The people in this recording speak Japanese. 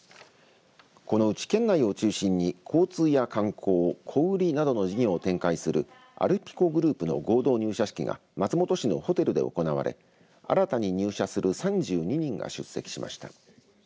このうち、県内を中心に交通や観光、小売りなどの事業を展開するアルピコグループの合同入社式が松本市のホテルで行われ新たに入社する３２人が出席しました。